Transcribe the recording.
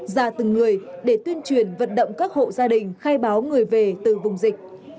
ra từng người để tuyên truyền vận động các hộ gia đình khai báo người về từ vùng dịch